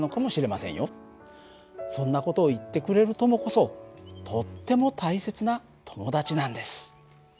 そんな事を言ってくれる友こそとっても大切な友達なんです。